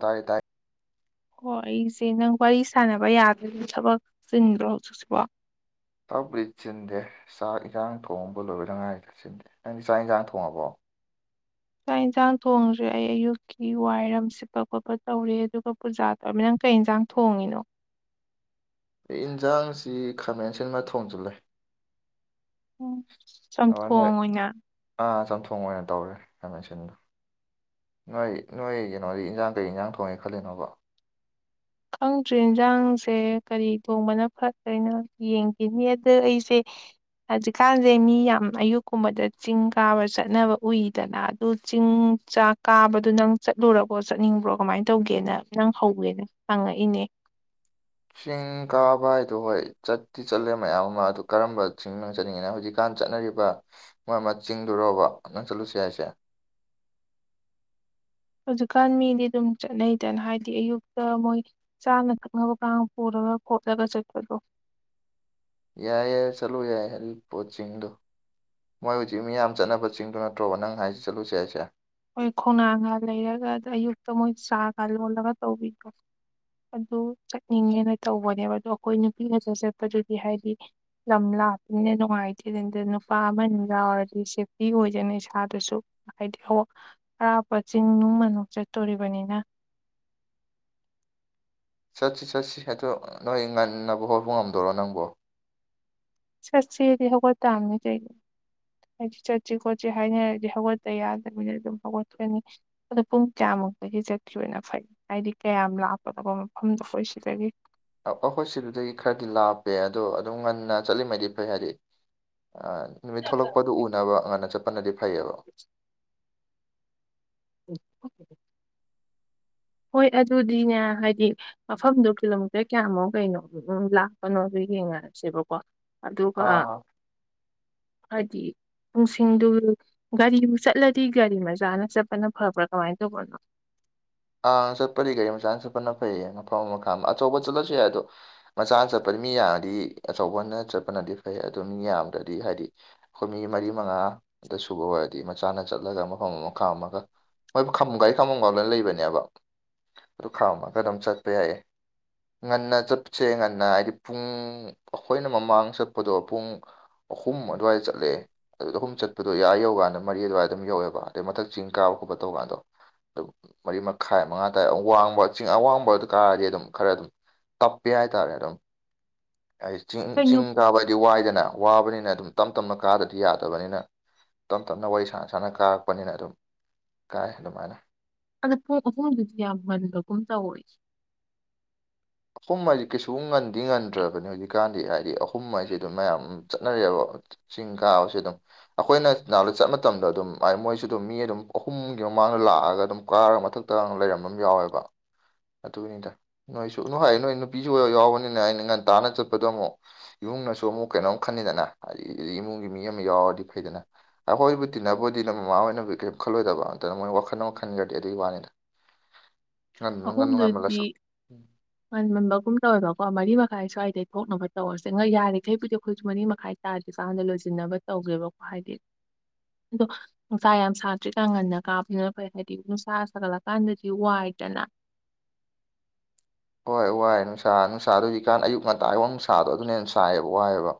ꯇꯏ ꯇꯥꯏ ꯍꯣꯏ ꯑꯩꯁꯦ ꯅꯪ ꯋꯥꯔꯤ ꯁꯥꯟꯅꯕ ꯌꯥꯗ ꯑꯗꯨ ꯊꯕꯛ ꯆꯤꯟꯗ꯭ꯔꯣ ꯍꯧꯖꯤꯛꯁꯤꯕꯣ ꯆꯕꯨꯗꯤ ꯆꯤꯟꯗꯦ ꯆꯥꯛ ꯏꯟꯁꯥꯡ ꯊꯣꯡꯕ ꯂꯣꯏꯔꯗꯉꯥꯏꯗ ꯆꯤꯟꯗꯦ ꯅꯪꯗꯤ ꯆꯥꯛ ꯏꯟꯁꯥꯡ ꯊꯣꯡꯉꯕꯣ ꯆꯥꯛ ꯌꯦꯟꯁꯥꯡ ꯊꯣꯡꯁꯨꯦ ꯑꯩ ꯑꯌꯨꯛꯀꯤ ꯋꯥꯏꯔꯝ ꯁꯤꯠꯄ ꯈꯣꯠꯄ ꯇꯧꯔꯦ ꯑꯗꯨꯒ ꯄꯨꯖꯥ ꯇꯧꯔꯃꯤ ꯅꯪ ꯀꯩ ꯌꯦꯟꯁꯥꯡ ꯊꯣꯡꯉꯤꯅꯣ ꯑꯩ ꯏꯟꯁꯥꯡꯁꯤ ꯈꯥꯃꯦꯟ ꯁꯤꯟ ꯃ ꯊꯣꯡꯁꯨ ꯂꯩ ꯎ ꯆꯝꯊꯣꯡ ꯑꯣꯏꯅ ꯊꯣꯡ ꯑꯣꯏꯅ ꯇꯧꯔꯦ ꯍꯥꯏꯃꯦꯟꯁꯤꯟꯗꯣ ꯅꯣꯏ ꯅꯣꯏ ꯀꯩꯅꯣꯗꯤ ꯏꯟꯖꯥꯡ ꯀꯩ ꯏꯟꯖꯥꯡ ꯊꯣꯡꯉꯦ ꯈꯜꯂꯤꯅꯣꯕ ꯈꯪꯗ꯭ꯔꯦ ꯏꯟꯁꯥꯡꯁꯦ ꯀꯔꯤ ꯊꯣꯡꯕꯅ ꯐꯠꯇꯣꯏꯅꯣ ꯌꯦꯡꯈꯤꯅꯤ ꯑꯗ ꯑꯩꯁꯦ ꯍꯧꯖꯤꯛꯀꯥꯟꯁꯦ ꯃꯤ ꯌꯥꯝ ꯑꯌꯨꯛꯀꯨꯝꯕꯗ ꯆꯤꯡ ꯀꯥꯕ ꯆꯠꯅꯕ ꯎꯏꯗꯅ ꯑꯗꯨ ꯆꯤꯡ ꯆꯥꯛ ꯀꯥꯕꯗꯨꯣ ꯅꯪ ꯆꯠꯂꯨꯔꯀꯣ ꯆꯠꯅꯤꯡꯕ꯭ꯔꯣ ꯀꯃꯥꯏꯅ ꯇꯧꯒꯦꯅ ꯅꯪ ꯍꯧꯋꯦꯅ ꯄꯥꯡꯉꯛꯏꯅꯦ ꯆꯤꯡ ꯀꯥꯕ ꯍꯥꯏꯗꯣ ꯍꯣꯏ ꯆꯠꯇꯤ ꯆꯠꯂꯦ ꯃꯌꯥꯝ ꯑꯃ ꯑꯗꯨ ꯀꯔꯝꯕ ꯆꯤꯡꯅꯣ ꯆꯠꯅꯤꯡꯉꯤꯅ ꯍꯧꯖꯤꯛꯀꯥꯟ ꯆꯠꯅꯔꯤꯕ ꯃꯣꯏ ꯑꯃ ꯆꯤꯡꯗꯨꯔꯣꯕ ꯅꯪ ꯆꯠꯂꯨꯁꯤ ꯍꯥꯏꯁꯦ [inaudible] ꯖꯤꯀꯥꯟ ꯃꯤꯗꯤ ꯑꯗꯨꯝ ꯆꯠꯅꯩꯗꯅ ꯍꯥꯏꯗꯤ ꯑꯌꯨꯛꯇ ꯃꯣꯏ ꯆꯥꯅ ꯊꯛꯅꯕ ꯀꯥꯡ ꯄꯨꯔꯒ [unintelligible] ꯌꯥꯏ ꯌꯥꯏ ꯆꯂꯨ ꯌꯥꯏ ꯍ ꯄꯣꯆꯤꯡꯗꯣ ꯃꯣꯏ ꯍꯧꯖꯤꯛ ꯃꯤꯌꯥꯝ ꯆꯠꯅꯕ ꯆꯤꯡꯗꯨ ꯅꯠꯇ꯭ꯔꯣꯕ ꯅꯪ ꯍꯥꯏꯁꯤ ꯆꯠꯂꯨꯁꯦ ꯍꯥꯏꯁꯦ ꯍꯣꯏ ꯈꯣꯡꯅꯥꯡꯒ ꯂꯩꯔꯒ ꯑꯌꯨꯛꯇ ꯃꯣꯏ ꯆꯥꯒ ꯂꯣꯜꯂꯒ ꯇꯧꯕꯤ ꯑꯗꯨ ꯆꯠꯅꯤꯡꯉꯦꯅ ꯇꯧꯕꯅꯦꯕ ꯑꯗꯣ ꯑꯩꯈꯣꯏ ꯅꯨꯄꯤ ꯉꯥꯛꯇꯥ ꯆꯠꯄꯗꯨꯗꯤ ꯍꯥꯏꯗꯤ ꯂꯝ ꯂꯞ ꯂꯥꯕꯅ ꯅꯨꯡꯉꯥꯏꯇꯦꯗꯗ ꯅꯨꯄꯥ ꯑꯃ ꯌꯥꯎꯔꯗꯤ ꯁꯦꯐꯇꯤ ꯑꯣꯏꯗꯣꯏꯅꯦꯅ ꯏꯁꯥꯗꯁꯨ ꯍꯥꯏꯗꯤ ꯑ ꯑꯔꯥꯞꯄ ꯆꯤꯟ ꯅꯨꯡ ꯃꯅꯨꯡ ꯆꯠꯇꯣꯔꯤꯕꯅꯤꯅ ꯆꯠꯁꯤ ꯆꯠꯁꯤ ꯑ ꯅꯣꯏ ꯉꯟꯅꯕ ꯍꯣꯠꯄ ꯉꯝꯗꯣꯔꯣ ꯅꯪꯕꯣ ꯁꯁꯤꯔꯤꯗꯤ ꯍꯈꯣꯏ ꯊꯥꯃꯅꯤ ꯆꯗ ꯍꯥꯏꯗꯤ ꯆꯠꯁꯤ ꯈꯣꯠꯁꯤ ꯍꯥꯏꯅꯔꯗꯤ ꯍꯧꯒꯠꯇꯄ ꯌꯥꯗꯕꯅꯤꯅ ꯑꯗꯨꯝ ꯍꯧꯒꯠꯑꯅꯤ ꯑꯣ ꯄꯨꯡ ꯀꯌꯥꯃ ꯑꯃꯨꯛꯇꯒꯤ ꯆꯠꯈꯤꯕ ꯑꯣꯏꯅ ꯐꯩ ꯍꯥꯏꯗꯤ ꯀꯌꯥꯝ ꯂꯥꯛꯄꯅꯣꯀꯣ ꯃꯐꯝꯗꯣ ꯀꯣꯏ ꯁꯤ ꯑꯩꯈꯣꯏ ꯁꯤꯗꯨꯗꯒꯤ ꯈꯔꯗꯤ ꯂꯥꯞꯄꯦ ꯑꯗꯣ ꯑꯗꯨꯝ ꯉꯟꯅ ꯆꯠꯂꯤꯉꯩꯗꯤ ꯐꯩ ꯍꯥꯏꯗꯤ ꯅꯨꯃꯤꯠ ꯊꯣꯛꯂꯛꯄꯗꯨ ꯎꯅꯕ ꯉ ꯉꯟꯅ ꯆꯠꯄꯅꯗꯤ ꯐꯩꯌꯦꯕ ꯎ ꯍꯣꯏ ꯑꯗꯨꯗꯤꯅꯦ ꯍꯥꯏꯗꯤ ꯃꯐꯝꯗꯨꯣ ꯀꯤꯂꯣꯃꯤꯇꯔ ꯀꯌꯥꯃꯨꯛ ꯀꯩꯅꯣ ꯂꯥꯛꯄꯅꯣ ꯑꯗꯨꯒꯤ ꯌꯦꯡꯅꯔꯁꯦꯕꯀꯣ ꯑꯗꯨꯒ ꯑꯥ ꯍꯥꯏꯗꯤ ꯄꯨꯡꯁꯤꯡꯗꯨ ꯒꯥꯔꯤꯕꯨ ꯆꯠꯂꯗꯤ ꯒꯥꯔꯤ ꯃꯆꯥꯅ ꯆꯠꯄꯅ ꯐꯕ꯭ꯔꯥ ꯀꯃꯥꯏꯅ ꯇꯧꯕꯅꯣ [inaudible] ꯑꯪ ꯆꯠꯄꯗꯤ ꯒꯥꯔꯤ ꯃꯆꯥ ꯆꯠꯄꯅ ꯐꯩꯌꯦ ꯃꯐꯝ ꯑꯃ ꯈꯥ ꯑꯃ ꯑꯆꯧꯕ ꯆꯠꯂꯁꯨ ꯌꯥꯏ ꯑꯗꯣ ꯃꯆꯥꯅ ꯆꯠꯄꯗꯤ ꯃꯤ ꯌꯥꯝꯡꯉꯗꯤ ꯑꯆꯧꯕꯅ ꯆꯠꯄꯅꯗꯤ ꯐꯩ ꯑꯗꯨ ꯃꯤ ꯌꯥꯝꯕꯗꯗꯤ ꯍꯥꯏꯗꯤ ꯑꯩꯈꯣꯏ ꯃꯤ ꯃꯤ ꯃꯔꯤ ꯃꯉꯥ ꯑꯝꯇ ꯁꯨꯕ ꯑꯣꯏꯔꯗꯤ ꯃꯆꯥꯅ ꯆꯠꯂꯒ ꯃꯐꯝ ꯑꯃꯥ ꯑꯃꯒ ꯍꯣꯏ ꯈꯥꯃ ꯒꯥꯔꯤ ꯈꯥꯃꯝꯒꯥꯎꯗꯅ ꯂꯩꯕꯅꯦꯕ ꯑꯗꯨ ꯈꯥꯝꯃꯒ ꯑꯗꯨꯝ ꯆꯠꯄ ꯌꯥꯏꯌꯦ ꯉꯟꯅ ꯆꯠꯁꯦ ꯉꯟꯅ ꯍꯥꯏꯗꯤ ꯄꯨꯡ ꯑꯩꯈꯣꯏꯅ ꯃꯃꯥꯡ ꯆꯠꯄꯗꯣ ꯄꯨꯡ ꯑꯍꯨꯝ ꯑꯗꯨꯋꯥꯏꯗ ꯆꯠꯂꯦ ꯑꯗꯨ ꯑꯍꯨꯝ ꯆꯠꯄꯗꯣ ꯑꯥ ꯌꯧꯕꯀꯥꯟꯗ ꯃꯔꯤ ꯑꯗꯨꯋꯥꯏꯗ ꯑꯗꯨꯝ ꯌꯧꯋꯦꯕ ꯑꯗꯩ ꯃꯊꯛ ꯆꯤꯡ ꯀꯥꯕ ꯈꯣꯠꯄ ꯇꯧ ꯀꯥꯟꯗꯣ ꯑꯗꯨ ꯃꯔꯤ ꯃꯈꯥꯏ ꯃꯉꯥ ꯗꯥꯏ ꯋꯥꯡꯕ ꯆꯤꯡ ꯑꯋꯥꯡꯕ ꯑꯗꯨ ꯀꯥꯔꯗꯤ ꯑꯗꯨꯝ ꯈꯔ ꯑꯗꯨꯝ ꯇꯞꯄꯦ ꯍꯥꯢꯇꯔꯦ ꯑꯗꯨꯝ ꯍꯥꯏ ꯆꯤꯡ ꯀꯩꯅꯣ ꯆꯤꯡ ꯀꯥꯕ ꯍꯥꯏꯗꯤ ꯋꯥꯏꯗꯅ ꯋꯥꯕꯅꯤꯅ ꯑꯗꯨꯝ ꯇꯞ ꯇꯞꯅ ꯀꯥꯗꯗꯤ ꯌꯥꯗꯕꯅꯤꯅ ꯇꯞ ꯇꯞꯅ ꯋꯥꯔꯤ ꯁꯥꯟꯅ ꯁꯥꯟꯅ ꯀꯥꯔꯛꯄꯅꯤꯅ ꯑꯗꯨꯝ ꯀꯥꯏ ꯑꯗꯨꯃꯥꯏꯅ ꯑꯗ ꯑꯍꯨꯝꯗꯨꯁꯨ ꯌꯥꯝ ꯉꯟꯕꯒꯨꯝ ꯇꯧꯏ ꯑꯍꯨꯝ ꯍꯥꯏꯁꯦ ꯀꯩꯁꯨ ꯉꯟꯗꯤ ꯉꯟꯗ꯭ꯔꯕꯅꯤ ꯍꯧꯖꯤꯛꯀꯥꯟꯗꯤ ꯍꯥꯏꯗꯤ ꯑꯍꯨꯝ ꯍꯥꯏꯁꯤ ꯑꯗꯨꯝ ꯃꯌꯥꯝ ꯆꯠꯅꯔꯦ ꯕꯥ ꯆꯤꯡ ꯀꯥꯕꯁꯦ ꯑꯗꯨꯝ ꯑꯩꯈꯣꯏꯅ ꯉꯥꯍꯥꯟꯉꯩ ꯆꯠ ꯃꯇꯝꯗ ꯑꯗꯨꯝ ꯃꯣꯏꯁꯨ ꯑꯗꯨꯝ ꯃꯤ ꯑꯗꯨꯝ ꯑꯍꯨꯝꯒꯤ ꯃꯥꯡꯗ ꯂꯥꯛꯑꯒ ꯑꯗꯨꯝ ꯀꯥꯔꯒ ꯃꯊꯛꯇ ꯂꯩꯔꯝꯕ ꯌꯥꯎꯋꯦꯕ ꯑꯗꯨꯒꯤꯅꯤ ꯅꯣꯏꯁꯨ ꯁ ꯅꯨꯡ ꯍꯥꯏ ꯅꯣꯏ ꯅꯨꯄꯤꯁꯨ ꯑꯣꯏꯔ ꯌꯥꯎꯕꯅꯤꯅ ꯑꯩꯅ ꯉꯟ ꯇꯥꯅ ꯆꯠꯄꯗꯣ ꯑꯃꯨꯛ ꯏꯃꯨꯡꯅꯁꯨ ꯑꯃꯨꯛ ꯀꯩꯅꯣꯝ ꯈꯟꯅꯤꯗꯅ ꯍꯥꯏꯗꯤ ꯏꯃꯨꯡꯒꯤ ꯃꯤ ꯑꯃ ꯌꯥꯎꯔꯗꯤ ꯐꯩꯗꯅ ꯑꯩꯈꯣꯏꯕꯨ ꯇꯤꯟꯅꯕꯕꯨꯗꯤ ꯅꯣꯏ ꯃꯃꯥ ꯍꯣꯏꯅꯕꯨ ꯀꯔꯤꯝ ꯈꯜꯂꯣꯏꯗꯕ ꯑꯗꯨꯅ ꯃꯣꯏ ꯋꯥꯈꯜ ꯑꯃ ꯈꯟꯈ꯭ꯔꯗꯤ ꯑꯗꯨꯒꯤ ꯋꯥꯅꯤꯗ ꯉꯟ ꯉꯟ ꯑꯍꯨꯝꯗꯨꯗꯤ ꯉꯟꯃꯜꯂꯁꯨ ꯎꯝ ꯉꯟꯃꯟꯕꯒꯨꯝ ꯇꯧꯋꯦꯕꯀꯣ ꯃꯔꯤ ꯃꯈꯥꯏ ꯁ꯭ꯋꯥꯏꯗꯩ ꯊꯣꯛꯅꯕ ꯇꯧꯔꯁꯦ ꯉꯥ ꯌꯥꯔꯤꯈꯩꯕꯨꯗꯤ ꯑꯩꯈꯣꯏꯁꯨ ꯃꯔꯤ ꯃꯈꯥꯏ ꯇꯥꯔꯦ ꯏꯁꯥ ꯍꯥꯟꯗ ꯂꯣꯏꯁꯤꯟꯅꯕ ꯇꯧꯒꯦꯕꯀꯣ ꯍꯥꯏꯗꯤ ꯑꯗꯣ ꯅꯨꯡꯁꯥ ꯌꯥꯝ ꯁꯥꯗꯔꯤꯀꯥꯟ ꯉꯟꯅ ꯀꯥꯕꯗꯨꯅ ꯐꯩ ꯍꯥꯏꯗꯤ ꯅꯨꯡꯁꯥ ꯁꯥꯒꯠꯂꯀꯥꯟꯗꯗꯤ ꯋꯥꯏ ꯗꯅ ꯍꯣꯏ ꯋꯥꯏ ꯅꯨꯡꯁꯥ ꯅꯨꯡꯁꯥꯗꯨ ꯍꯧꯖꯤꯛꯀꯥꯟ ꯑꯌꯨꯛ ꯉꯟꯇꯥꯒꯤ ꯋꯪ ꯁꯥꯕꯗꯣ ꯑꯗꯨꯅ ꯍꯦꯟꯅ ꯁꯥꯏꯌꯦꯕ ꯋꯥꯏꯑꯦꯕ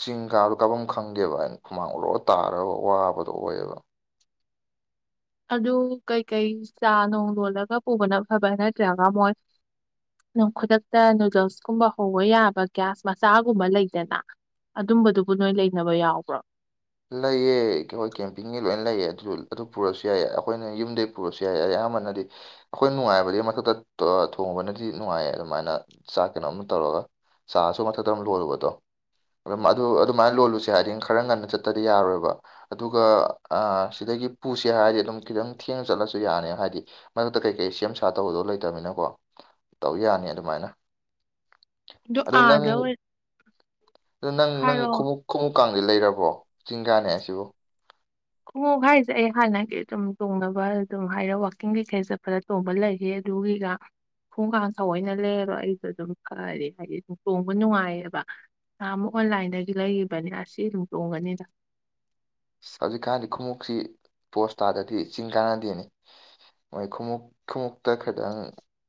ꯆꯤꯡ ꯀꯥꯕꯗꯨ ꯀꯥꯕꯝ ꯈꯪꯗꯦꯕ ꯑꯩ ꯍꯨꯃꯥꯡ ꯑꯣꯔꯣꯔꯣ ꯇꯥꯔꯒ ꯋꯥꯕꯗꯣ ꯑꯣꯏꯌꯦꯕ ꯑꯗꯨ ꯀꯩꯀꯩ ꯆꯥ ꯅꯣꯡ ꯂꯣꯜꯂꯒ ꯄꯨꯕꯅ ꯐꯕ꯭ꯔ ꯅꯠꯇ꯭ꯔꯒ ꯃꯣꯏ ꯑꯗꯨꯝ ꯈꯨꯗꯛꯇ ꯅꯨꯗꯜꯁꯀꯨꯝꯕ ꯍꯧꯕ ꯌꯥꯕ ꯒ꯭ꯌꯥꯁ ꯃꯆꯥꯒꯨꯝꯕ ꯂꯩꯗꯅ ꯑꯗꯨꯝꯕꯗꯨꯕꯨ ꯅꯣꯏ ꯂꯩꯅꯕ ꯌꯥꯎꯕ꯭ꯔꯣ ꯂꯩꯌꯦ ꯑꯩꯈꯣꯏ ꯀꯦꯝꯄꯤꯡꯒꯤ ꯂꯣꯏꯅ ꯂꯩꯌꯦ ꯑꯗꯨ ꯑꯗꯨ ꯄꯨꯔꯁꯨ ꯌꯥꯏꯌꯦ ꯑꯩꯈꯣꯏꯅ ꯌꯨꯝꯗꯒꯤ ꯄꯨꯔꯁꯨ ꯌꯥꯏꯌꯦ ꯑꯌꯥꯝꯕꯅꯗꯤ ꯑꯩꯈꯣꯏ ꯅꯨꯡꯉꯥꯏꯕꯗꯤ ꯃꯊꯛꯇ ꯊꯣꯡꯕꯅꯗꯤ ꯅꯨꯡꯉꯥꯏꯌꯦ ꯑꯗꯨꯃꯥꯏꯅ ꯆꯥꯛ ꯀꯩꯅꯣꯝ ꯇꯧꯔꯒ ꯆꯥꯁꯨ ꯃꯊꯛꯇ ꯑꯃ ꯂꯣꯜꯂꯨꯕꯗꯣ ꯑꯗꯨꯃ ꯑꯗꯨ ꯑꯗꯨꯃꯥꯏꯅ ꯂꯣꯜꯂꯨꯁꯦ ꯍꯥꯏꯗꯤ ꯈꯔ ꯉꯟꯅ ꯆꯠ ꯇ꯭ꯔꯗꯤ ꯌꯥꯔꯣꯏꯕ ꯑꯗꯨꯒ ꯑ ꯁꯤꯗꯒꯤ ꯄꯨꯁꯦ ꯍꯥꯏꯔꯗꯤ ꯑꯗꯨꯝ ꯈꯤꯇꯪ ꯊꯦꯡ ꯆꯠꯂꯁꯨ ꯌꯥꯅꯤ ꯍꯥꯏ ꯍꯥꯏꯗꯤ ꯃꯔꯛꯇ ꯀꯩꯀꯩ ꯁꯦꯝ ꯁꯥ ꯇꯧꯕꯗꯣ ꯂꯩꯇꯕꯅꯤꯅꯀꯣ ꯇꯧ ꯌꯥꯅꯤ ꯑꯗꯨꯃꯥꯏꯅ ꯑꯗꯨ ꯅꯪ ꯑꯥꯗ ꯑꯣꯏ ꯑꯗꯨ ꯅꯪ ꯅꯪ ꯍꯥꯏꯔꯛꯑꯣ ꯈꯣꯡꯎꯞ ꯈꯣꯡꯎꯞ ꯀꯥꯡꯗꯤ ꯂꯩꯔꯕꯣ ꯆꯤꯡꯀꯥꯅꯦ ꯍꯥꯏꯁꯤꯕꯨ ꯈꯣꯡꯎꯞ ꯍꯥꯏꯔꯤꯁꯦ ꯑꯩ ꯍꯥꯟꯅꯒꯤ ꯑꯗꯨꯝ ꯇꯣꯡꯅꯕ ꯑꯗꯨꯝ ꯍꯥꯏꯔꯞ ꯋꯥꯛꯀꯤꯡ ꯀꯩꯀꯩ ꯆꯠꯄꯗ ꯇꯣꯡꯕ ꯂꯩꯌꯦ ꯑꯗꯨꯒꯤꯒ ꯈꯣꯡꯎꯞ ꯀꯥꯡ ꯊꯑꯣꯏꯅ ꯂꯩꯔꯔꯣꯏ ꯑꯩꯗꯨ ꯑꯗꯨꯝ ꯐꯔꯦ ꯍꯥꯏꯗꯤ ꯑꯗꯨ ꯇꯣꯡꯕ ꯅꯨꯡꯉꯥꯏꯌꯦꯕ ꯅꯍꯥꯟꯃꯨꯛ ꯑꯣꯟꯂꯥꯏꯟꯗꯩꯗꯤ ꯂꯩꯒꯤꯕꯅꯦ ꯑꯁꯤ ꯑꯗꯨꯝ ꯇꯣꯡꯉꯅꯤꯗ ꯍꯧꯖꯤꯛꯀꯥꯟꯗꯤ ꯈꯣꯡꯎꯞꯁꯤ ꯄꯣꯁꯇꯥꯥꯗꯔꯥꯗꯤ ꯆꯤꯡ ꯀꯥꯟꯅꯗꯦꯅꯦ ꯍꯣꯏ ꯈꯣꯡꯎꯞ ꯈꯣꯡꯎꯞꯇ ꯈꯤꯇꯪ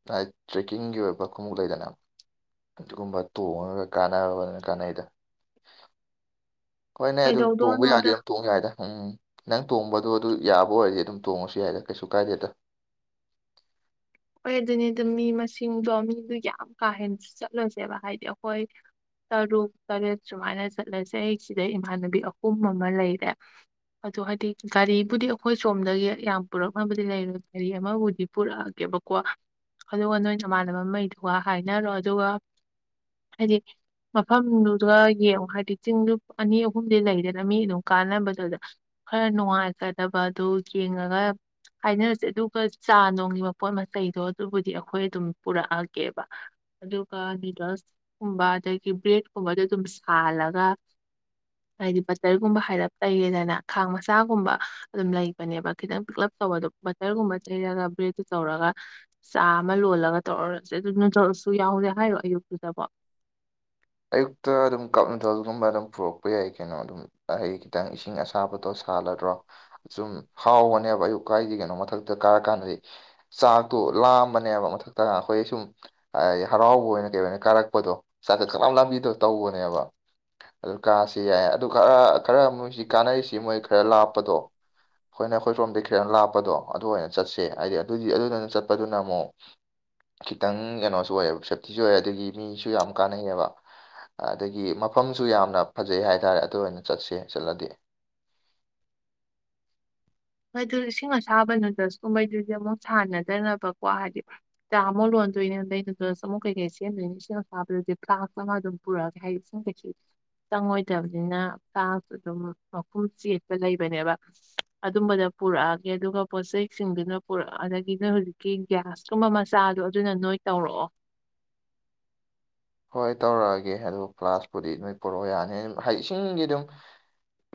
ꯇ꯭ꯔꯥꯏꯠ ꯇ꯭ꯔꯦꯛꯀꯤꯡꯒꯤ ꯑꯣꯏꯕ ꯈꯣꯡꯎꯞ ꯂꯩꯗꯅ ꯑꯗꯨꯒꯨꯝꯕ ꯇꯣꯡꯉꯒ ꯀꯥꯟꯅꯕꯅꯤꯅ ꯀꯥꯟꯅꯩꯗꯅꯥ [inaudible] ꯍꯣꯏꯅꯦ ꯑꯗꯨ ꯇꯣꯡꯕ ꯌꯥꯔꯗꯤ ꯀꯩꯗꯧꯗꯣꯏꯅꯣꯗ ꯑꯗꯨꯝ ꯇꯣꯡꯕ ꯌꯥꯏꯗ ꯅꯪ ꯇꯣꯡꯕꯗꯣ ꯑꯗꯨ ꯌꯥꯕ ꯑꯣꯏꯔꯗꯤ ꯑꯗꯨꯝ ꯇꯣꯡꯉꯁꯨ ꯌꯥꯏꯗ ꯀꯩꯁꯨ ꯀꯥꯏꯗꯦꯗ ꯍꯣꯏ ꯑꯗꯨꯅꯦ ꯑꯗꯨꯝ ꯃꯤ ꯃꯁꯤꯡꯗꯣ ꯃꯤꯗꯣ ꯌꯥꯝ ꯀꯥꯍꯦꯟꯅꯗꯤ ꯆꯠꯂꯣꯏꯁꯦꯕ ꯍꯥꯏꯗꯤ ꯑꯩꯈꯣꯏ ꯇꯔꯨꯛ ꯇꯔꯦꯠ ꯁꯨꯃꯥꯏꯅ ꯆꯠꯂꯁꯦ ꯑꯩ ꯁꯤꯗ ꯏꯃꯥꯟꯅꯕꯤ ꯑꯍꯨꯝ ꯑꯃ ꯂꯩꯔꯦ ꯑꯗꯣ ꯍꯥꯏꯗꯤ ꯒꯥꯔꯤꯕꯨꯗꯤ ꯑꯩꯈꯣꯏ ꯁꯣꯝꯗꯒꯤ ꯌꯥꯝ ꯄꯨꯔꯛꯅꯕꯗꯤ ꯂꯩꯔꯣꯏ ꯒꯥꯔꯤ ꯑꯃꯕꯨꯗꯤ ꯄꯨꯔꯛꯑꯒꯦꯕ ꯀꯣ ꯑꯗꯨꯒ ꯅꯣꯏ ꯅꯃꯥꯟꯅꯕ ꯃꯩꯗꯨꯒ ꯍꯥꯏꯅꯔꯣ ꯑꯗꯨꯒ ꯍꯥꯏꯗꯤ ꯃꯐꯝꯗꯨꯒ ꯌꯦꯡꯉꯣ ꯍꯥꯏꯗꯤ ꯆꯤꯡꯗꯨ ꯑꯅꯤ ꯑꯍꯨꯝꯗꯤ ꯂꯩꯔꯦꯗꯅ ꯃꯤ ꯑꯗꯨꯝ ꯀꯥꯟꯅꯕꯗꯨꯗ ꯈꯔ ꯅꯨꯡꯉꯥꯏꯒꯗꯕ ꯑꯗꯨ ꯌꯦꯡꯉꯒ ꯍꯥꯏꯅꯔꯁꯦ ꯑꯗꯨꯒ ꯆꯥ ꯅꯣꯡꯒꯤ ꯃꯄꯣꯠ ꯃꯆꯩ ꯀꯩꯗꯣ ꯑꯗꯨꯕꯨꯗꯤ ꯑꯩꯈꯣꯏ ꯑꯗꯨꯝ ꯄꯨꯔꯛꯑꯒꯦꯕ ꯑꯗꯨꯒ ꯅꯨꯗꯜꯁꯀꯨꯝꯕ ꯑꯗꯒꯤ ꯕ꯭ꯔꯦꯗ ꯀꯨꯝꯕꯗꯣ ꯑꯗꯨꯝ ꯁꯥꯍꯜꯂꯒ ꯍꯥꯏꯗꯤ ꯕꯇꯔꯒꯨꯝꯕ ꯍꯥꯏꯔꯞ ꯇꯩꯔꯦꯗꯅ ꯈꯥꯡ ꯃꯆꯥꯒꯨꯝꯕ ꯑꯗꯨꯝ ꯂꯩꯕꯅꯦꯕ ꯈꯤꯇꯪ ꯄꯤꯛꯂꯞ ꯇꯧꯕꯗꯣ ꯕꯇꯔꯒꯨꯝꯕ ꯇꯩꯅꯔꯒ ꯕ꯭ꯔꯦꯗꯇꯨ ꯇꯧꯔꯒ ꯆꯥ ꯑꯃ ꯂꯣꯜꯂꯒ ꯇꯧꯔꯁꯦ ꯑꯗꯨ ꯅꯨꯗꯜꯁꯁꯨ ꯌꯥꯎꯒꯦ ꯍꯥꯏꯔꯣ ꯑꯌꯨꯛꯇꯨꯗꯕꯣ [inaudible] ꯑꯌꯨꯛꯇ ꯑꯗꯨꯝ ꯀꯞ ꯅꯨꯗꯜꯒꯨꯝꯕ ꯑꯗꯨꯝ ꯄꯨꯔꯛꯄ ꯌꯥꯏ ꯀꯩꯅꯣ ꯑꯗꯨꯝ ꯑꯩꯩ ꯈꯤꯇꯪ ꯏꯁꯤꯡ ꯑꯁꯥꯕ ꯇꯣ ꯁꯥꯍꯜꯂꯗ꯭ꯔꯣ ꯁꯨꯝ ꯍꯥꯎꯕꯅꯦꯕ ꯑꯌꯨꯛꯀꯥꯏꯒꯤ ꯀꯩꯅꯣ ꯃꯊꯛꯇ ꯀꯥꯔ ꯀꯥꯟꯗꯗꯤ ꯆꯥꯛꯇꯣ ꯂꯥꯛꯑꯝꯕꯅꯦꯕ ꯃꯊꯛꯇ ꯑꯩꯈꯣꯏ ꯁꯨꯝ ꯑ ꯍꯔꯥꯎꯕ ꯑꯣꯏꯅ ꯀꯩ ꯑꯣꯏꯅ ꯀꯥꯔꯛꯄꯗꯣ ꯁꯠꯂꯥꯎ ꯂꯪꯕꯤꯗꯣ ꯇꯧꯕꯅꯦꯕ ꯑꯗꯨ ꯀꯥꯁꯤ ꯌꯥꯏ ꯑꯗꯨ ꯈꯔ ꯈꯔ ꯃꯣꯏꯁꯤ ꯀꯥꯟꯅꯔꯤꯁꯤ ꯃꯣꯏ ꯈꯔ ꯂꯥꯞꯄꯗꯣ ꯑꯩꯈꯣꯏꯅ ꯑꯩꯈꯣꯏ ꯁꯣꯝꯗꯒꯤ ꯈꯤꯇꯪ ꯂꯥꯞꯄꯗꯣ ꯑꯗꯨ ꯑꯣꯏꯅ ꯆꯠꯁꯦ ꯍꯥꯏꯗꯤ ꯑꯗꯨꯗꯤ ꯑꯗꯨꯗꯨꯅ ꯆꯠꯄꯗꯨꯅ ꯑꯃꯨꯛ ꯈꯤꯇꯪ ꯀꯩꯅꯣꯁꯨ ꯑꯣꯏꯌꯦꯕ ꯁꯦꯞꯇꯤꯁꯨ ꯑꯣꯏ ꯑꯗꯒꯤ ꯃꯤꯁꯨ ꯌꯥꯝ ꯀꯥꯟꯅꯩꯌꯦꯕ ꯑꯗꯒꯤ ꯃꯐꯝꯁꯨ ꯌꯥꯝꯅ ꯐꯖꯩ ꯍꯥꯏꯇꯥꯔꯦ ꯑꯗꯨ ꯑꯣꯏꯅ ꯆꯠꯁꯦ ꯆꯠꯂꯗꯤ [inaudible] ꯑꯗꯨ ꯏꯁꯤꯡ ꯑꯁꯥꯕꯅ ꯗꯁ ꯀꯨꯝꯕꯩꯗꯨꯗꯤ ꯑꯃꯨꯛ ꯁꯥꯟꯅꯗꯅꯕꯀꯣ ꯍꯥꯏꯗꯤ ꯆꯥꯃꯨꯛ ꯂꯣꯟ ꯗꯣꯏꯅꯦ ꯑꯗꯩꯗꯨꯗ ꯗꯁꯃꯣꯛ ꯀꯩꯀꯩ ꯁꯦꯝꯗꯣꯏꯅꯦ ꯏꯁꯤꯡ ꯑꯁꯥꯕꯗꯨꯗꯤ ꯐ꯭ꯂꯥꯛꯁ ꯑꯃ ꯑꯗꯨꯝ ꯄꯨꯔꯛꯑꯒꯦ ꯍꯥꯏꯗꯤ ꯏꯁꯤꯡ ꯀꯩꯁꯨ ꯆꯪꯉꯣꯏꯗꯕꯅꯤꯅ ꯐ꯭ꯂꯥꯛꯁꯁꯨ ꯑꯗꯨꯝ ꯃꯈꯨꯝ ꯆꯦꯠꯄ ꯂꯩꯕꯅꯦꯕ ꯑꯗꯨꯝꯕꯗ ꯄꯨꯔꯛꯑꯒꯦ ꯑꯗꯨꯒ ꯄꯣꯠꯆꯩꯁꯤꯡꯗꯨꯅ ꯄꯨꯔꯛꯑ ꯑꯗꯒꯤ ꯅꯣꯏ ꯍꯧꯖꯤꯛꯀꯤ ꯒ꯭ꯌꯥꯁꯇꯨꯃ ꯃꯆꯥꯗꯨ ꯑꯗꯨꯅ ꯅꯣꯏ ꯇꯧꯔꯛꯑꯣ ꯍꯣꯏ ꯇꯧꯔꯛꯑꯒꯦ ꯑꯗꯨ ꯐ꯭ꯂꯥꯁꯄꯨꯗꯤ ꯅꯣꯏ ꯄꯨꯔꯛꯑꯣ ꯌꯥꯅꯤ ꯏꯁꯤꯡꯒꯤ ꯑꯗꯨꯝ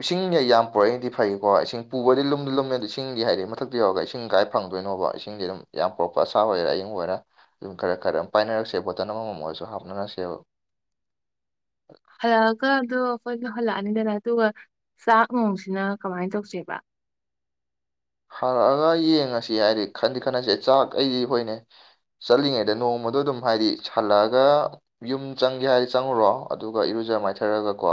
ꯏꯁꯤꯡ ꯌꯥꯝ ꯄꯨꯔꯛꯏꯅꯗꯤ ꯐꯩꯀꯣ ꯏꯁꯤꯡ ꯄꯨꯕꯗꯤ ꯂꯨꯝꯗꯤ ꯂꯨꯝꯃꯦ ꯑꯗꯨ ꯏꯁꯤꯡꯗꯤ ꯍꯥꯏꯔ ꯃꯊꯛꯇ ꯌꯧꯔꯒ ꯏꯁꯤꯡ ꯀꯥꯏ ꯐꯪ ꯀꯣꯏꯅꯣꯕ ꯏꯁꯤꯡꯗꯤ ꯑꯗꯨꯝ ꯌꯥꯝ ꯄ꯭ꯔꯣꯞꯄ ꯑꯁꯥ ꯑꯣꯏꯔꯥ ꯑꯌꯤꯡꯕ ꯑꯣꯏꯔꯥ ꯑꯗꯨꯝ ꯈꯔ ꯈꯔ ꯑꯗꯨ ꯄꯥꯏꯅꯔꯛꯁꯦ ꯕꯣꯇꯜ ꯑꯃꯃꯝ ꯑꯣꯏꯔꯁꯨ ꯍꯥꯞꯅꯔꯁꯦꯕ ꯍꯈꯣꯏ ꯂꯧꯍꯜꯂꯛꯑꯅꯤꯗꯅ ꯑꯗꯨꯒ ꯆꯥꯛ ꯅꯨꯡꯁꯤꯅ ꯀꯃꯥꯏ ꯇꯧꯁꯦꯕ ꯍꯥꯔꯛꯑꯒ ꯌꯦꯡꯉꯁꯤ ꯍꯥꯏꯗꯤ ꯈꯟꯗꯤ ꯈꯟꯅꯁꯦ ꯆꯥꯛ ꯑꯩꯗꯤ ꯍꯣꯏꯅꯦ ꯆꯠꯂꯤꯉꯩꯗ ꯅꯣꯡꯃꯗꯣ ꯑꯗꯨꯝ ꯍꯥꯏꯗꯤ ꯁꯥꯜꯂꯛꯑꯒ ꯌꯨꯝ ꯆꯪꯒꯦ ꯍꯥꯏꯔꯗꯤ ꯆꯪꯉꯨꯔꯣ ꯑꯗꯨꯒ ꯏꯔ ꯖ ꯃꯥꯏꯊꯔꯒ ꯀꯣ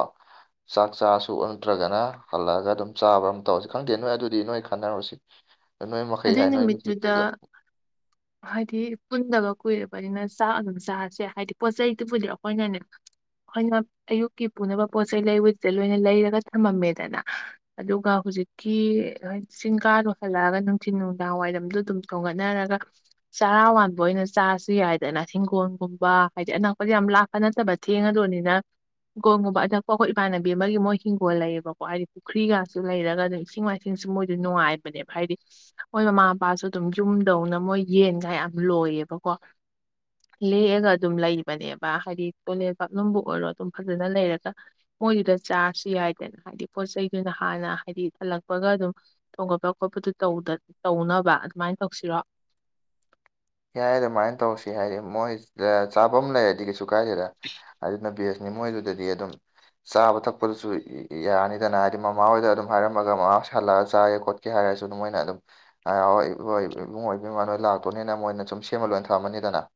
ꯆꯥꯛ ꯆꯥꯁꯨꯣꯛ ꯅꯠꯇ꯭ꯔꯒꯅ ꯍꯜꯂꯒ ꯑꯗꯨꯝ ꯆꯥꯕ꯭ꯔꯥ ꯑꯃ ꯇꯧꯔꯁꯦ ꯈꯪꯗꯦ ꯅꯣꯏ ꯑꯗꯨꯗꯤ ꯅꯣꯏ ꯈꯟꯗꯅ ꯔꯁꯤ ꯑꯗꯨꯏ ꯅꯨꯃꯤꯠꯇꯨꯗ ꯍꯥꯏꯗꯤ ꯄꯨꯟꯗꯕ ꯀꯨꯏ ꯅꯤꯅ ꯆꯥꯛ ꯑꯗꯨꯝ ꯆꯥꯔꯁꯦ ꯍꯥꯏꯗꯤ ꯄꯣꯠ ꯆꯩꯗꯨꯕꯨꯗꯤꯔ ꯑꯩꯈꯣꯏꯅꯅꯦ ꯑꯩꯈꯣꯏꯅ ꯑꯌꯨꯛꯀꯤ ꯄꯨꯅꯕ ꯄꯣꯠ ꯆꯩꯩ ꯂꯩꯕꯗꯨꯗ ꯂꯣꯏꯅ ꯂꯩꯔꯒ ꯊꯝꯃꯝꯃꯦꯗꯅ ꯑꯗꯨꯒꯖꯤ ꯍꯧꯖꯤꯛꯀꯤ ꯆꯁꯤꯡꯒꯥꯗꯨꯣ ꯍꯜꯂꯛꯑꯒ ꯊꯤꯟ ꯅꯨꯡꯗꯥꯡ ꯋꯥꯏꯔꯝꯗ ꯑꯗꯨꯝ ꯊꯣꯡꯒꯠꯅꯔꯒ ꯆꯔꯥ ꯋꯥꯥꯟꯕ ꯑꯣꯏꯅ ꯆꯥꯁꯨ ꯌꯥꯏꯗꯅ ꯍꯤꯡꯈꯣꯜ ꯒꯨꯝꯕ ꯍꯥꯏꯗꯤ ꯑꯅꯛꯄꯁ ꯌꯥꯝ ꯂꯥꯛꯄ ꯅꯠꯇꯕ ꯊꯦꯡꯉꯗꯣꯅꯤꯅ ꯍꯤꯡꯒꯣꯜꯒꯨꯝꯕ ꯑꯅꯛꯄ ꯑꯩꯈꯣꯏ ꯏꯃꯥꯟꯅꯕꯤ ꯑꯃꯒꯤ ꯃꯣꯏ ꯍꯤꯡꯒꯣꯜ ꯂꯩꯌꯦꯕꯀꯣ ꯍꯥꯏꯗꯤ ꯄꯨꯈ꯭ꯔꯤꯒꯁꯨ ꯂꯩꯔꯒ ꯑꯗꯨꯝ ꯏꯁꯤꯡ ꯃꯥꯏꯁꯤꯡ ꯁꯤ ꯃꯣꯏꯗ ꯅꯨꯡꯉꯥꯏꯕꯅꯦꯕ ꯍꯥꯏꯗꯤ ꯃꯣꯏ ꯃꯃꯥ ꯃꯄꯥꯁꯨ ꯑꯗꯨꯝ ꯌꯨꯝꯗꯧꯅ ꯃꯣꯏ ꯌꯦꯟꯒ ꯌꯥꯝ ꯂꯣꯏꯌꯦꯕꯀꯣ ꯂꯦꯛꯑꯒ ꯑꯗꯨꯝ ꯂꯩꯕꯅꯦꯕ ꯍꯥꯏꯗꯤ ꯀꯣꯂꯦꯟ ꯄꯞꯅꯅꯨꯡꯕꯨ ꯑꯣꯏꯔꯣ ꯑꯗꯨꯝ ꯐꯖꯅ ꯂꯩꯔꯒ ꯃꯣꯏꯗꯨꯗ ꯆꯥꯔꯁꯨ ꯌꯥꯏꯗꯅ ꯍꯥꯏꯗꯤ ꯄꯣꯠ ꯆꯩꯗꯨꯅ ꯍꯥꯟꯅ ꯍꯥꯏꯗꯤ ꯍꯜꯂꯛꯄꯒ ꯑꯗꯨꯝ ꯊꯣꯡꯒꯠꯄ ꯈꯣꯠꯄ ꯇꯧꯅꯕ ꯑꯗꯨꯃꯥꯏꯅ ꯇꯧꯁꯤꯔꯣ ꯌꯥꯏ ꯑꯗꯨꯃꯥꯏꯅ ꯇꯧꯁꯤ ꯍꯥꯏꯔ ꯃꯣꯏ ꯆꯥꯐꯝ ꯑꯃ ꯂꯩꯔꯗꯤ ꯀꯩꯁꯨ ꯀꯥꯏꯗꯦꯗ ꯑꯗꯨꯅ ꯕꯦꯁ ꯃꯣꯏꯗꯨꯗꯗꯤ ꯑꯗꯨꯝ ꯆꯥꯕ ꯊꯛꯄꯗꯨꯁꯨ ꯌꯥꯅꯤꯗꯅ ꯍꯥꯏꯗꯤ ꯃꯃꯥ ꯍꯣꯏꯗ ꯑꯗꯨꯝ ꯍꯥꯏꯔꯝꯃꯒ ꯃꯃꯥ ꯍꯜꯂꯛꯑꯒ ꯆꯥꯒꯦ ꯈꯣꯠꯀꯦ ꯍꯥꯏꯔ ꯑꯗꯨꯝ ꯃꯣꯏꯅ ꯑꯗꯨꯝ ꯏꯕꯨꯡ ꯑꯣꯏ ꯂꯥꯛꯇꯣꯅꯦ ꯃꯣꯏꯅ ꯁꯨꯝ ꯁꯦꯝꯃ ꯂꯣꯏꯅ ꯊꯝꯃꯅꯤꯗꯅ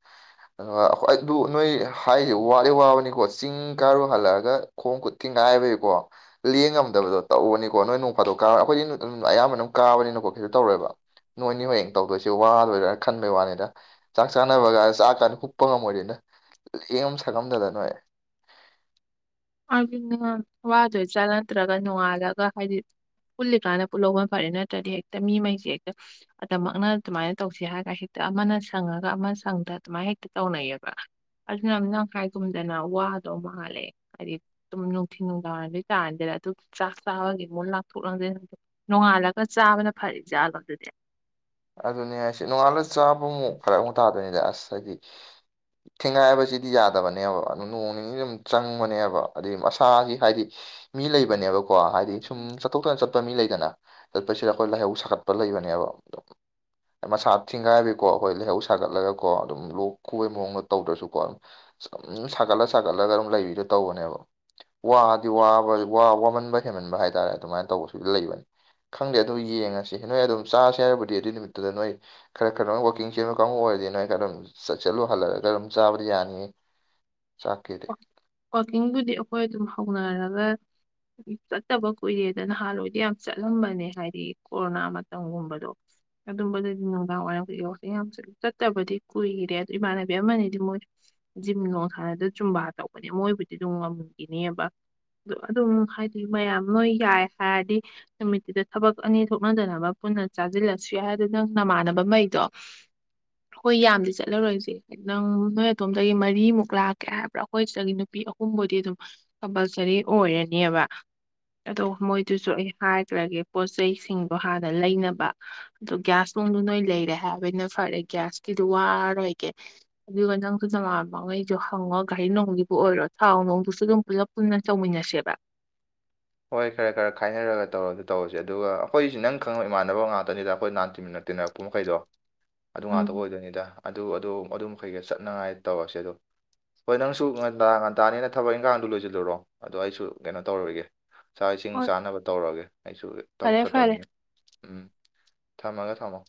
ꯑꯗꯨ ꯅꯣꯏ ꯍꯥꯏꯗꯤ ꯋꯥꯠꯂꯤ ꯋꯥꯕꯅꯤꯀꯣ ꯆꯤꯡ ꯀꯥꯔꯨ ꯍꯜꯂꯛꯑꯒ ꯈꯣꯡ ꯈꯨꯠ ꯊꯤꯡꯉ ꯀꯥꯏꯕꯒꯤꯀꯣ ꯂꯦꯡꯉꯝꯗꯕꯗꯣ ꯇꯧꯕꯅꯤꯀꯣ ꯅꯣꯏ ꯅꯣꯡ ꯐꯥꯗꯣꯛ ꯀꯥꯔ ꯑꯩꯈꯣꯏꯗꯤ ꯑꯌꯥꯝꯕꯅꯝ ꯀꯥꯕꯅꯤꯅꯀꯣ ꯇꯧꯔꯣꯏꯕ ꯅꯣꯏꯅꯤ ꯍꯌꯦꯡ ꯇꯧꯗꯣꯏꯁꯦ ꯋꯥꯗꯣꯏꯔꯥ ꯈꯟꯕꯩ ꯋꯥꯅꯤꯗ ꯆꯥꯛ ꯆꯥꯅꯕꯒ ꯆꯥꯛ ꯀꯥꯟꯗ ꯍꯨꯞꯛꯄ ꯉꯝꯃꯣꯏꯗꯣꯏꯅ ꯌꯦꯡ ꯑꯃ ꯁꯛꯉꯝꯗꯗ ꯅꯣꯏ ꯑꯗꯨꯅ ꯋꯥꯗꯣꯏ ꯆꯠ ꯅꯠꯇ꯭ꯔꯒ ꯅꯣꯡꯉꯥꯜꯂꯒ ꯍꯥꯏꯗꯤ ꯄꯨꯜꯂꯤꯀꯥꯟꯗ ꯄꯨꯜꯍꯧꯕ ꯐꯔꯦ ꯅꯠꯇ꯭ꯔꯗꯤ ꯍꯦꯛꯇ ꯃꯤꯉꯩꯁꯦ ꯍꯦꯛꯇ ꯑꯗꯨꯃꯛꯅ ꯑꯗꯨꯃꯥꯏꯅ ꯇꯧꯁꯤ ꯍꯥꯏꯔꯒ ꯍꯦꯛꯇ ꯑꯃꯅ ꯁꯪꯉꯒ ꯑꯃ ꯁꯪꯗ ꯑꯗꯨꯃꯥꯏꯅ ꯍꯦꯛꯇ ꯇꯧꯅꯩꯌꯦꯕ ꯑꯗꯨꯅ ꯅꯪꯈꯥꯏꯒꯨꯝꯗꯅ ꯋꯥꯗꯣ ꯃꯥꯜꯂꯦ ꯍꯥꯏꯗꯤ ꯑꯗꯨꯝ ꯅꯨꯡꯊꯤ ꯅꯨꯡꯗꯥꯡꯕꯒꯤꯇꯥꯥꯔꯗꯤꯗ ꯑꯗꯨ ꯆꯥꯛ ꯆꯥꯕꯒꯤ ꯃꯨꯛ ꯂꯥꯛꯊꯣꯛ ꯂꯥꯡꯖꯤꯟ ꯍꯥꯜꯂꯒ ꯆꯥꯕꯅ ꯐꯔꯤ ꯖꯥꯠꯂꯣ ꯑꯗꯨꯗꯤ ꯑꯗꯨꯅꯦ ꯍꯥꯏꯁꯦ ꯅꯣꯡꯉꯥꯜꯂ ꯁꯖꯤ [unintelligible] ꯊꯦꯡꯉꯥꯏꯕꯁꯤꯗꯤ ꯌꯥꯗꯕꯅꯦꯕ ꯑꯗꯨ ꯅꯣꯡ ꯅꯤꯅꯤ ꯑꯗꯨꯝ ꯆꯪꯕꯅꯦꯕ ꯑꯗꯨꯩ ꯃꯁꯥꯒꯤ ꯍꯥꯏꯗꯤ ꯃꯤ ꯂꯩꯕꯅꯦꯕ ꯀꯣ ꯍꯥꯏꯗꯤ ꯁꯨꯝ ꯆꯠꯊꯣꯛꯇꯅ ꯆꯠꯄ ꯃꯤ ꯂꯩꯗꯅ ꯆꯠꯄꯁꯤꯗ ꯑꯩꯈꯣꯏ ꯂꯥꯏꯍꯧ ꯁꯥꯒꯠꯄ ꯂꯩꯕꯅꯦꯕ [inaudible] ꯃꯁꯥ ꯊꯤꯡꯒꯥꯏꯕꯤꯀꯣ ꯑꯩꯈꯣꯏ ꯂꯩꯍꯧ ꯁꯥꯒꯠꯂꯒꯀꯣ ꯑꯗꯨꯝ ꯂꯣꯛ ꯈꯨꯕ ꯃꯑꯣꯡꯗ ꯇꯧꯗ꯭ꯔꯁꯨꯀꯣ ꯑꯗꯨꯝ ꯎꯝ ꯁꯥꯒꯠꯂ ꯁꯥꯒꯠꯂꯒ ꯑꯗꯨꯝ ꯂꯩꯕꯤꯗꯣ ꯇꯧꯕꯅꯦꯕ ꯋꯥꯗꯤ ꯋꯥꯕ ꯋꯥꯃꯟꯕ ꯍꯦꯃꯟꯕ ꯍꯥꯏꯇꯥꯔꯦ ꯑꯗꯨꯃꯥꯏꯅ ꯇꯧꯕꯁꯨ ꯂꯩꯕꯅꯤ ꯈꯪꯗꯦ ꯑꯗꯨ ꯌꯦꯡꯉꯁꯤ ꯅꯣꯏ ꯑꯗꯨꯝ ꯆꯥꯁꯦ ꯍꯥꯏꯕꯨꯗꯤ ꯑꯗꯨꯏ ꯅꯨꯃꯤꯠꯇꯨꯗ ꯅꯣꯏ ꯈꯔ ꯈꯔ ꯋꯥꯀꯤꯡ ꯆꯦꯟꯕ ꯀꯥꯡꯕꯨ ꯑꯣꯏꯔꯗꯤ ꯅꯣꯏ ꯈꯔ ꯑꯗꯨꯝ ꯆꯠꯂꯨ ꯍꯜꯂꯒ ꯑꯗꯨꯝ ꯆꯥ ꯌꯥꯅꯤ ꯋꯥꯛꯀꯤꯡꯗꯨꯗꯤ ꯑꯩꯈꯣꯏ ꯑꯗꯨꯝ ꯍꯧꯅꯔꯒ ꯆꯠꯇꯕ ꯀꯨꯏꯔꯦꯗ ꯅꯍꯥꯟꯋꯥꯏꯗꯤ ꯌꯥꯝ ꯆꯠꯂꯝꯕꯅꯦ ꯍꯥꯏꯗꯤ ꯀꯣꯔꯣꯅꯥ ꯃꯇꯝꯒꯨꯝꯕꯗꯣ ꯑꯗꯨꯝꯕꯗꯗꯤ ꯅꯨꯡꯗꯥꯡ ꯋꯥꯏꯔꯝ ꯌꯥꯝꯠꯂ ꯆꯠꯇꯕꯗꯤ ꯀꯨꯏꯔꯦ ꯑꯗꯨ ꯏꯃꯥꯟꯅꯕꯤ ꯑꯃꯅꯤꯗꯤ ꯃꯣꯏ ꯖꯤꯝꯒꯣꯡꯁꯥꯅꯗ ꯆꯨꯝꯕꯥ ꯇꯧꯕꯅꯦ ꯃꯣꯏꯕꯨꯗꯤ ꯑꯗꯨꯝ ꯉꯝꯃꯈꯤꯅꯦꯕ ꯑ ꯑꯗꯨꯝ ꯍꯥꯏꯗꯤ ꯃꯌꯥꯝ ꯅꯣꯏ ꯌꯥꯏ ꯍꯥꯏꯔꯗꯤ ꯅꯨꯃꯤꯠꯇꯨꯗ ꯊꯕꯛ ꯑꯅꯤ ꯊꯣꯛꯅꯗꯅꯕ ꯃꯨꯟꯅ ꯆꯥꯁꯤꯜꯂꯁꯨ ꯌꯥꯏꯗ ꯅꯪ ꯅꯃꯥꯟꯅꯕ ꯃꯩꯗꯣ ꯍꯣꯏ ꯌꯥꯝꯗꯤ ꯆꯠꯂꯔꯣꯏꯁꯦ ꯅꯪ ꯅꯣꯏ ꯑꯗꯣꯝꯗꯒꯤ ꯃꯔꯤꯃꯨꯛ ꯂꯥꯛꯀꯦ ꯍꯥꯏꯕ ꯄꯨ ꯑꯩꯈꯣꯏ ꯁꯤꯗꯒꯤ ꯅꯨꯄꯤ ꯑꯍꯨꯝꯕꯨꯗꯤ ꯑꯗꯨꯝ ꯀꯝꯄꯜꯁꯔꯤ ꯑꯣꯏꯔꯅꯦꯕ ꯑꯗꯣ ꯃꯣꯏꯗꯨꯁꯨ ꯑꯩ ꯍꯥꯏꯈ꯭ꯔꯒꯦ ꯄꯣꯠꯁꯤꯡꯗꯣ ꯍꯥꯟꯅ ꯂꯩꯅꯕ ꯑ ꯒ꯭ꯌꯥꯁ ꯗꯨ ꯅꯣꯏ ꯂꯩꯔꯦ ꯍꯥꯏꯕꯩꯅ ꯐꯔꯦ ꯒ꯭ꯌꯥꯁꯀꯤꯗꯨ ꯋꯥꯔꯔꯣꯏꯒꯦ ꯑꯗꯨꯒ ꯅꯪ ꯃꯥꯟꯩ ꯁꯨ ꯍꯪꯉꯣ ꯘꯔꯤ ꯅꯨꯡꯒꯤꯕꯨ ꯑꯣꯏꯔꯣ ꯊꯥꯎ ꯅꯨꯡꯕꯨꯁꯨ ꯑꯗꯨꯝ ꯄꯨꯂꯞ ꯄꯨꯟꯅ ꯆꯧꯃꯤꯟꯅꯁꯦꯕ ꯍꯣꯏ ꯈꯔ ꯈꯔ ꯈꯥꯏꯅꯔꯒ ꯇꯧꯔꯁꯨ ꯇꯧꯔꯁꯦ ꯑꯗꯨꯒ ꯑꯩꯈꯣꯏꯁꯤ ꯅꯪ ꯈꯪꯉꯕ ꯏꯃꯥꯟꯅꯕ ꯉꯥꯛꯇꯅꯤꯗ ꯑꯩꯈꯣꯏ ꯅꯥꯟ ꯇꯤꯃꯤꯟꯅꯦ ꯇꯤꯟꯅꯔꯛꯄ ꯃꯈꯩꯗꯣ ꯑꯗꯨ ꯉꯥꯛꯇꯕꯨ ꯎꯝ ꯑꯣꯏꯗꯣꯏꯅꯤꯗ ꯑꯗꯨ ꯑꯗꯣ ꯑꯗꯨꯝ ꯃꯈꯩꯀ ꯆꯠꯅꯉꯥꯏ ꯇꯧꯔꯁꯦ ꯑꯗꯣ ꯍꯣꯏ ꯅꯪꯁꯨ ꯉꯟ ꯉꯟꯇꯥꯅꯤꯅ ꯊꯕꯛ ꯏꯟꯈꯥꯡꯗꯨ ꯂꯣꯏꯁꯤꯜꯂꯨꯔꯣ ꯑꯗꯣ ꯑꯩꯁꯨ ꯀꯩꯅꯣ ꯇꯧꯔꯣꯏꯒꯦ ꯆꯥꯛ ꯏꯁꯤꯡ ꯍꯣꯏ ꯆꯥꯅꯕ ꯇꯧꯔꯒꯦ ꯑꯩꯁꯨ ꯊꯕꯛ ꯐꯔꯦ ꯐꯔꯦ ꯆꯠꯇꯧꯅꯤꯅ ꯎꯝ ꯊꯝꯃꯒꯦ ꯊꯝꯃꯣ